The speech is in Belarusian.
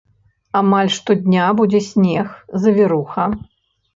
Амаль штодня будзе снег, завіруха.